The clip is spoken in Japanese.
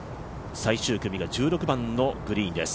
最終組が１６番のグリーンです。